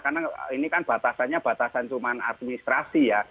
karena ini kan batasannya batasan cuma administrasi ya